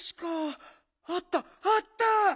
あったあった！